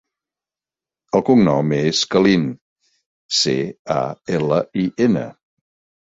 El cognom és Calin: ce, a, ela, i, ena.